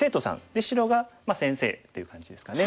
で白が先生っていう感じですかね。